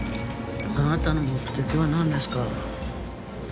あなたの目的はなんですか？